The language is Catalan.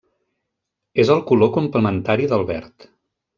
És el color complementari del verd.